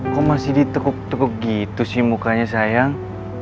kok masih ditekuk tekuk gitu sih mukanya sayang